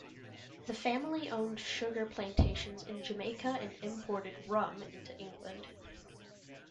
The family owned sugar plantations in Jamaica and imported rum into England.